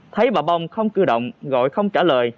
thấy bà bông không cơ động gọi không trả lời